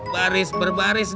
baris berbaris dan